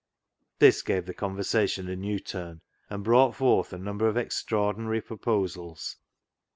" This gave the conversation a new turn, and brought forth a number of extraordinary pro posals.